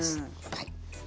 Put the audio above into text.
はい。